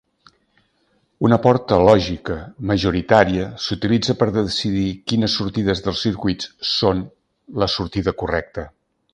Una porta lògica majoritària s'utilitza per decidir quines sortides dels circuits són la sortida correcta.